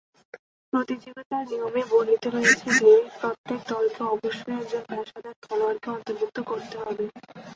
প্রতিযোগিতার নিয়মে বর্ণিত রয়েছে যে, প্রত্যেক দলকে অবশ্যই একজন পেশাদার খেলোয়াড়কে অন্তর্ভুক্ত করতে হবে।